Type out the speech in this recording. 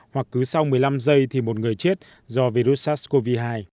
hoặc cứ sau một mươi năm giây thì một người chết do virus sars cov hai